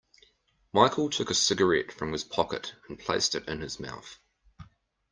Michael took a cigarette from his pocket and placed it in his mouth.